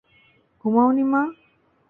ঘুমাওনি, মা?